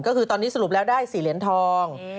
ก็คือตอนนี้สรุปแล้วได้๔เหรียญทอง